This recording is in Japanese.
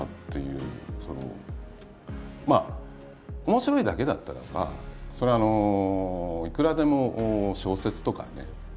面白いだけだったらばそれはいくらでも小説とかね